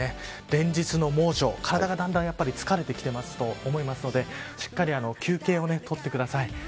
連日の猛暑、体がだんだん疲れてきていると思うのでしっかり休憩を取ってください。